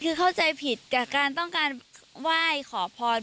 คือเข้าใจผิดกับการต้องการไหว้ขอพร